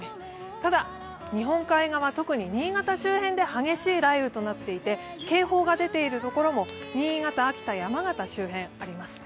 ただ、日本海側、特に新潟周辺で激しい雷雨となっていて警報が出ているところも、新潟、秋田、山形周辺あります。